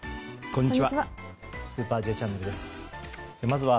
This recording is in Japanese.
こんにちは。